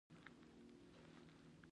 غلی، د سمې فیصلې نښه ده.